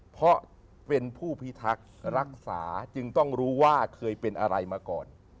เพราะเป็นผู้พิทักษ์รักษาจึงต้องรู้ว่าเคยเป็นอะไรมาก่อน